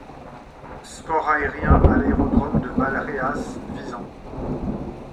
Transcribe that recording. Sports aériens à l'aérodrome de Valréas - Visan.